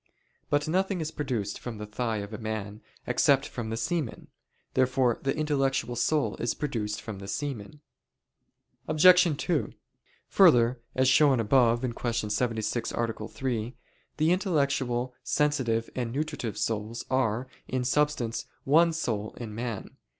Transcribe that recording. But nothing is produced from the thigh of a man, except from the semen. Therefore the intellectual soul is produced from the semen. Obj. 2: Further, as shown above (Q. 76, A. 3), the intellectual, sensitive, and nutritive souls are, in substance, one soul in man.